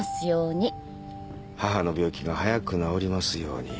「母の病気が早く治りますように」